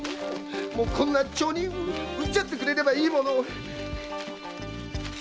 こんな町人ほっといてくれればいいものを。